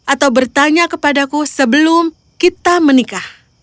atau bertanya kepadaku sebelum kita menikah